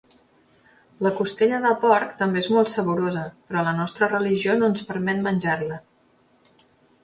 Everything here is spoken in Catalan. La costella de porc també és molt saborosa, però la nostra religió no ens permet menjar-la.